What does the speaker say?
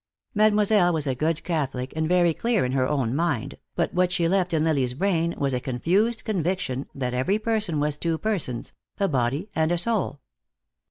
Mademoiselle was a good Catholic, and very clear in her own mind, but what she left in Lily's brain was a confused conviction that every person was two persons, a body and a soul.